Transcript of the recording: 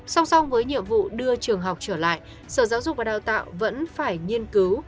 song song với nhiệm vụ đưa trường học trở lại sở giáo dục và đào tạo vẫn phải nghiên cứu